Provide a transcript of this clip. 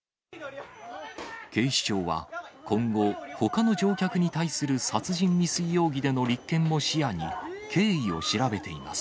警視庁は今後、ほかの乗客に対する殺人未遂容疑での立憲も視野に経緯を調べています。